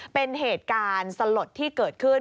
เป็นเหตุการณ์สลดที่เกิดขึ้น